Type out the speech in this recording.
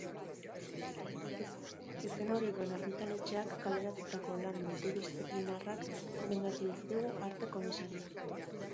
Izen hori duen argitaletxeak kaleratutako lan multidisziplinarrak gomendatu dizkigu arte komisarioak.